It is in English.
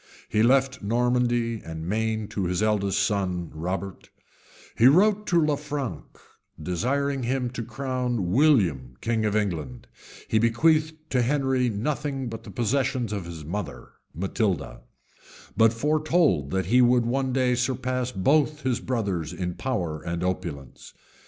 He left Normandy and Maine to his eldest son, Robert: he wrote to Lanfranc, desiring him to crown William king of England; he bequeathed to Henry nothing but the possessions of his mother, Matilda; but foretold that he would one day surpass both his brothers in power and opulence.